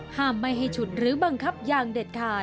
ไม่ให้ฉุดหรือบังคับอย่างเด็ดขาด